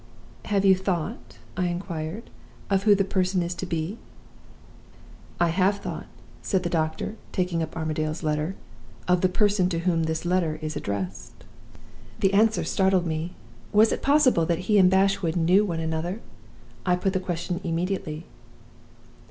"'Have you thought,' I inquired, 'of who the person is to be?' "'I have thought,' said the doctor, taking up Armadale's letter 'of the person to whom this letter is addressed.' "The answer startled me. Was it possible that he and Bashwood knew one another? I put the question immediately.